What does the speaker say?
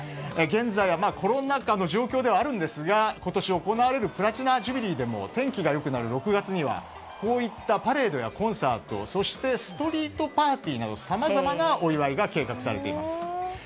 現在はコロナ禍の状況ではあるんですが今年行われるプラチナ・ジュビリーでも天気が良くなる６月にはこういったパレードやコンサートそしてストリートパーティーなどさまざまなお祝いが計画されています。